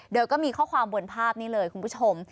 โดยก็มีข้อความบนภาพนี้เลยคุณผู้ชม